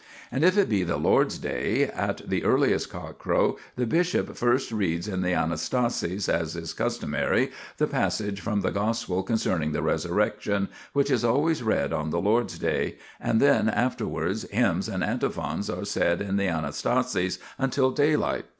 And if it be the Lord's Day, at the earliest cockcrow the bishop first reads in the Anastasis, as is customary, the passage from the Gospel concerning the Resurrection, which is always read on the Lord's Day, and then after wards hymns and antiphons are said in the Anasta sis until daylight.